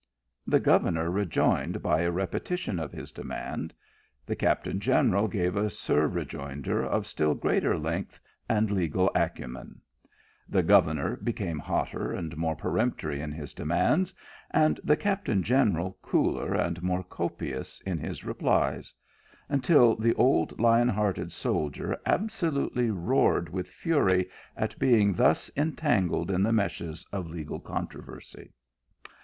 The governor rejoined by a repetition of his demand ; the captain general gave a sur rejoinder of still greater length, and legal acumen ; the governor became hotter and more peremptory in his demands, and the captain general cooler and more copious in his replies ; until the old lion hearted soldier absolutely roared with fury, at being thus entangled in the meshes of legal con troversy.